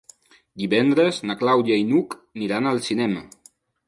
Divendres na Clàudia i n'Hug aniran al cinema.